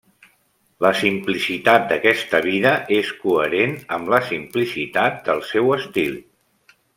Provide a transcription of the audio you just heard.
La simplicitat d'aquesta vida és coherent amb la simplicitat del seu estil.